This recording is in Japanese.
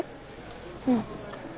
うん。